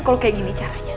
kalau kayak gini